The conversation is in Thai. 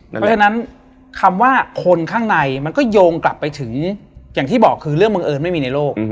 เพราะฉะนั้นคำว่าคนข้างในมันก็โยงกลับไปถึงอย่างที่บอกคือเรื่องบังเอิญไม่มีในโลก